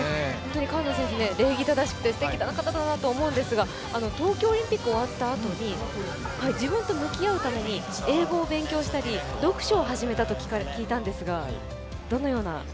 川野選手、礼儀正しくてすてきな方だなと思うんですが、東京オリンピック終わったあとに、自分と向き合うために英語を勉強したり、読書を始めたと聞いたんですが。